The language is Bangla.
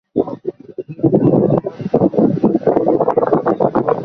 এর অপর নাম পীত নদী।